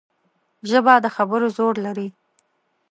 ژبه د خبرو زور لري